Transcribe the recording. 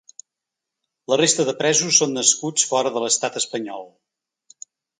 La resta de presos són nascuts fora de l’estat espanyol.